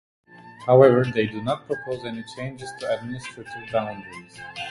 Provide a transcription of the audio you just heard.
However, they do not propose any changes to administrative boundaries.